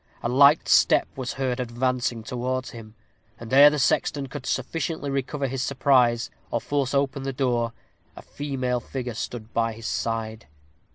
A light step was heard advancing towards him; and ere the sexton could sufficiently recover his surprise, or force open the door, a female figure stood by his side.